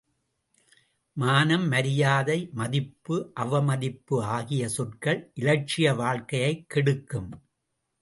மானம், மரியாதை, மதிப்பு, அவமதிப்பு ஆகிய சொற்கள் இலட்சிய வாழ்க்கையைக் கெடுக்கும்!